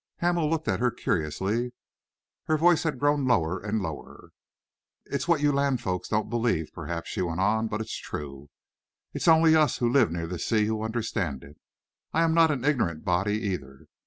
Hamel looked at her curiously. Her voice had grown lower and lower. "It's what you land folks don't believe, perhaps," she went on, "but it's true. It's only us who live near the sea who understand it. I am not an ignorant body, either.